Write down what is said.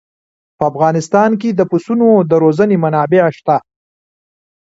په افغانستان کې د پسونو د روزنې منابع شته.